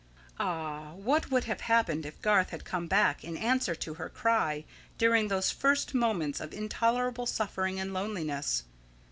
Ah, what would have happened if Garth had come back in answer to her cry during those first moments of intolerable suffering and loneliness?